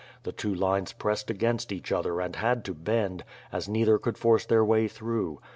The two lines pressed against each other and had to bend, as neither could force their way through.